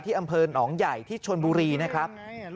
อำเภอหนองใหญ่ที่ชนบุรีนะครับ